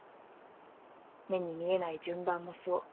目に見えない順番もそう。